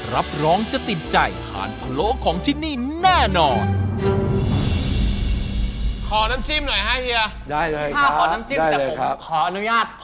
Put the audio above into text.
รับรองจะติดใจทานพะโล้ของที่นี่แน่นอน